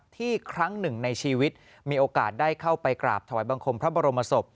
ครั้งหนึ่งในชีวิตมีโอกาสได้เข้าไปกราบถวายบังคมพระบรมศพ